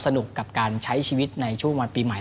สนุกกับการใช้ชีวิตในช่วงวันปีใหม่